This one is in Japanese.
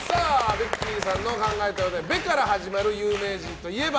ベッキーさんの考えたお題「べ」から始まる有名人といえば？